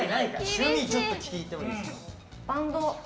趣味ちょっと聞いてもいいですか。